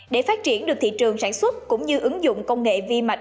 để phát triển được thị trường sản xuất cũng như ứng dụng công nghệ vi mạch